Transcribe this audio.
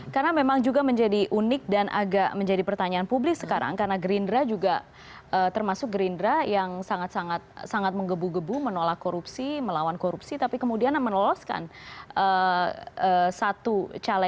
karena memang juga menjadi unik dan agak menjadi pertanyaan publik sekarang karena gerindra juga termasuk gerindra yang sangat sangat menggebu gebu menolak korupsi melawan korupsi tapi kemudian menoloskan satu calegnya dan membolehkan satu calegnya tetap maju tidak ada penggantian dari partai politik